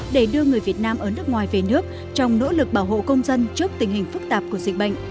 để đưa người việt nam ở nước ngoài về nước trong nỗ lực bảo hộ công dân trước tình hình phức tạp của dịch bệnh